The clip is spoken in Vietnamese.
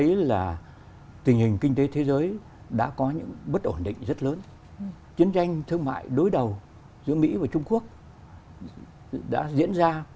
và đã đem lại những các tình hình kinh tế thế giới đã có những bất ổn định rất lớn chến tranh thương mại đối đầu giữa mỹ và trung quốc đã diễn ra